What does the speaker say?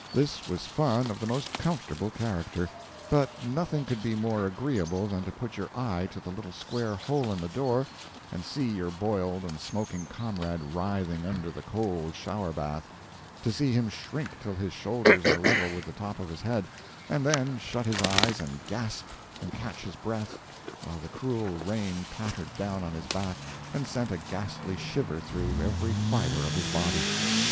This was fun of the most comfortable character; but nothing could be more agreeable than to put your eye to the little square hole in the door, and see your boiled and smoking comrade writhing under the cold shower bath, to see him shrink till his shoulders are level with the top of his head, and then shut his eyes and gasp and catch his breath, while the cruel rain pattered down on his back and sent a ghastly shiver through every fibre of his body.